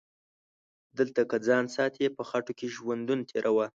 دلته که ځان ساتي په خټو کې ژوندون تیروه